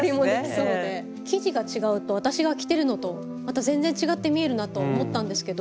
生地が違うと私が着てるのとまた全然違って見えるなと思ったんですけど。